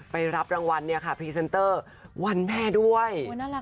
ไปรับรางวัลเนี่ยค่ะพรีเซนเตอร์วันแม่ด้วยน่ารัก